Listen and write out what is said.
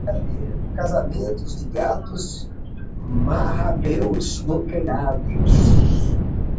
Em janeiro, casamentos de gatos e marrameus nos telhados.